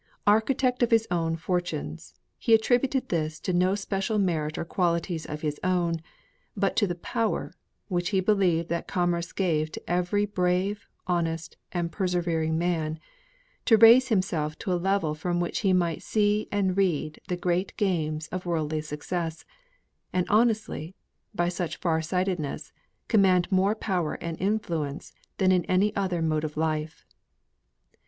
Architect of his own fortunes, he attributed this to no special merit or qualities of his own, but to the power, which he believed that commerce gave to every brave, honest, and persevering man, to raise himself to a level from which he might see and read the great game of worldly success, and honestly, by such far sightedness, command more power and influence than in any other mode of life.